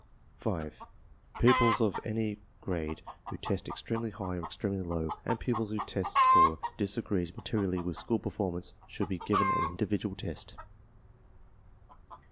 5. JPupils of any grade who test extremely high or extren£ely.„low, and pupils whose group test score dis agrees materially with school performance, should be .given an individual test.